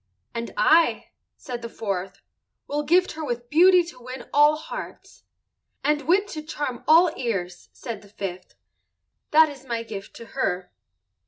"And I," said the fourth, "will gift her with beauty to win all hearts." "And wit to charm all ears," said the fifth. "That is my gift to her."